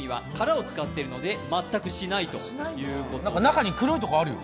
中に黒いところがあるよ。